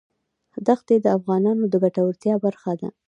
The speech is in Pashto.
ښتې د افغانانو د ګټورتیا برخه ده.